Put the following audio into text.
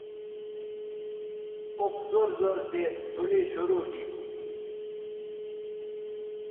اوخ زور زور رے څلے شروع گی